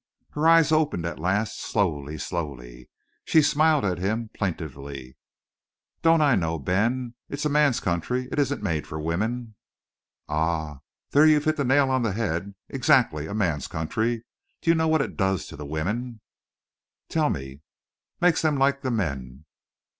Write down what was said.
Her eyes opened at last, slowly, slowly. She smiled at him plaintively. "Don't I know, Ben? It's a man's country. It isn't made for woman." "Ah, there you've hit the nail on the head. Exactly! A man's country. Do you know what it does to the women?" "Tell me." "Makes 'em like the men.